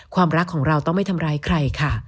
ความรักของเราต้องไม่ทำร้ายใครค่ะ